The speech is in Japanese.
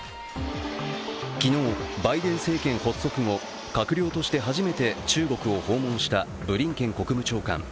昨日、バイデン政権発足後閣僚として初めて中国を訪問したブリンケン国務長官。